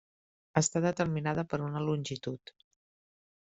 Està determinada per una longitud.